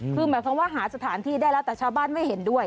คือหมายความว่าหาสถานที่ได้แล้วแต่ชาวบ้านไม่เห็นด้วย